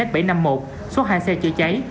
số hai xe chữa cháy